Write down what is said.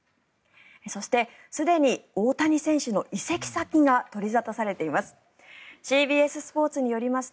そして、すでに大谷選手の移籍先が取り沙汰されています。